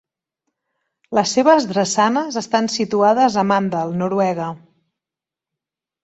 Les seves drassanes estan situades a Mandal, Noruega.